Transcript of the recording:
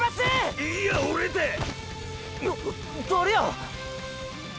誰や？